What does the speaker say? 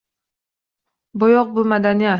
Bo'yoq - bu madaniyat